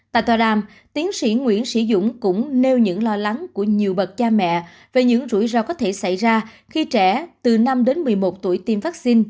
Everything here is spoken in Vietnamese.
tại tòa đàm tiến sĩ nguyễn sĩ dũng cũng nêu những lo lắng của nhiều bậc cha mẹ về những rủi ro có thể xảy ra khi trẻ từ năm đến một mươi một tuổi tiêm vaccine